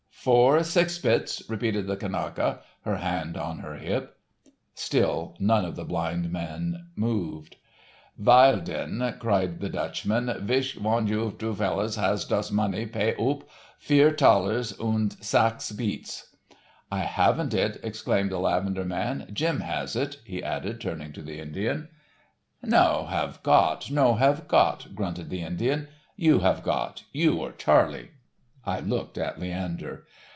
"Four, six bits," repeated the Kanaka, her hand on her hip. Still none of the blind men moved. "Vail, den," cried the Dutchman, "vich von you two vellars has dose money, pay oop. Fier thalers und sax beets." "I haven't it," exclaimed the lavender man, "Jim has it," he added, turning to the Indian. "No have got, no have got," grunted the Indian. "You have got, you or Charley." I looked at Leander.